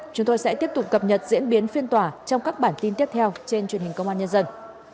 chúng tôi sẽ tiếp tục cập nhật diễn biến phiên tòa trong các bản tin tiếp theo trên truyền hình công an nhân dân